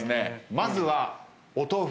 まずはお豆腐